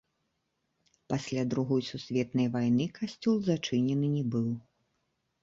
Пасля другой сусветнай вайны касцёл зачынены не быў.